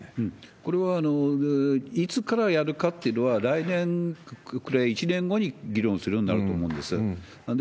これはいつからやるかっていうのは、来年、１年後に議論するんだろうと思います。